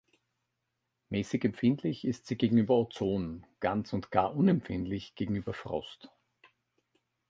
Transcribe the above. Mäßig empfindlich ist sie gegenüber Ozon, ganz und gar unempfindlich gegenüber Frost.